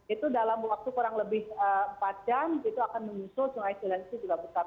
itu dalam waktu kurang lebih empat jam itu akan menyusul sungai cilinci juga besar